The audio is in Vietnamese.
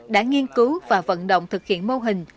đã nghiên cứu và vận động thực hiện mô hình